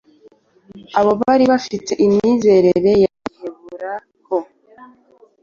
abo bari bafite imyizerere ya giheburaho